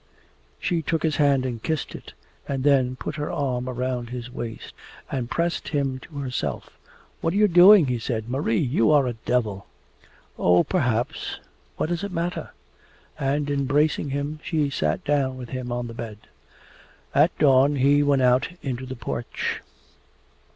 She took his hand and kissed it, and then put her arm round his waist and pressed him to herself. 'What are you doing?' he said. 'Marie, you are a devil!' 'Oh, perhaps. What does it matter?' And embracing him she sat down with him on the bed. At dawn he went out into the porch.